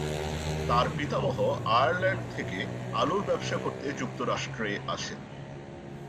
তার পিতামহ আয়ারল্যান্ড থেকে আলুর ব্যবসা করতে যুক্তরাষ্ট্রে আসে।